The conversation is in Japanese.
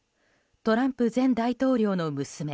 トランプ前大統領の娘